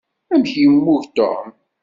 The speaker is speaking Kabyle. Amek yemmug Tom?